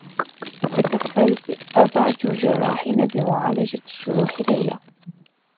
تكفّل أربعة جرّاحين بمعالجة جروح ليلى.